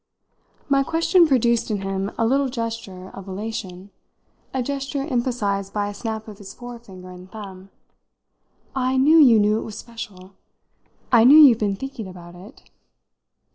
My question produced in him a little gesture of elation a gesture emphasised by a snap of his forefinger and thumb. "I knew you knew it was special! I knew you've been thinking about it!"